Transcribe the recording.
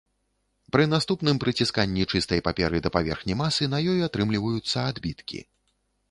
Пры наступным прыцісканні чыстай паперы да паверхні масы на ёй атрымліваюцца адбіткі.